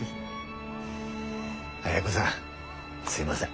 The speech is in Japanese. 亜哉子さんすみません